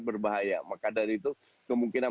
berbahaya maka dari itu kemungkinan